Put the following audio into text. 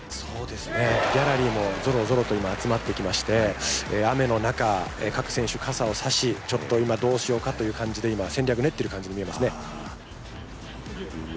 ギャラリーも今、ぞろぞろと集まってきまして雨の中、各選手傘を差しどうしようかと今戦略、練っている感じに見えますね